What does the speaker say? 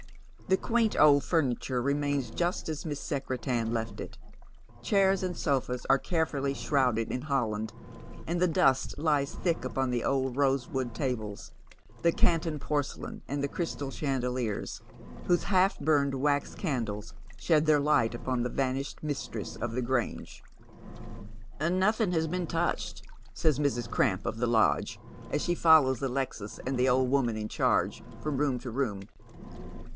The quaint old furniture remains just as Miss Secretan left it. Chairs and sofas are carefully shrouded in holland, and the dust lies thick upon the old rosewood tables, the Canton porcelain, and the crystal chandeliers, whose half bnrncd wax candles shed their light upon the vanished mistress of the Grange. " Will Fortune never come f " 157 Nothing has been touched," says Mrs. Cramp, of the lodge, as she ioUows Alexis and the old woman in charge trom room to room.